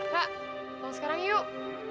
ra pulang sekarang yuk